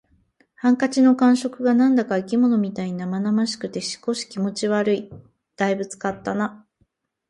ハンカチの感触が何だか生き物みたいに生々しくて、少し気持ち悪い。「大分使ったな」